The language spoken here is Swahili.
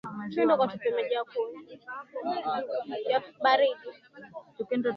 Mheshimiwa Rais Samia amewataka wadau wote wa mfumo wa utoaji haki nchini kuzingatia sheria